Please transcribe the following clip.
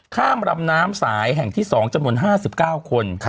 ข้ามลำน้ำสายแห่งที่๒จำนวน๕๙คน